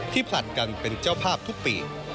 ผลัดกันเป็นเจ้าภาพทุกปี